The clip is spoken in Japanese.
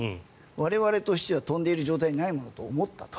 我々としては飛んでいる状態にないものと思ったと。